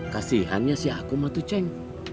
kasihannya si akung mah tuh ceng